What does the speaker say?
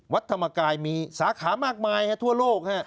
วัดธรรมกายมีสาขามากมายทั่วโลก